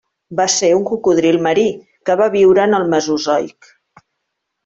Va ser un cocodril marí, que va viure en el Mesozoic.